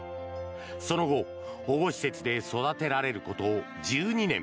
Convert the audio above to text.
その後、保護施設で育てられること１２年。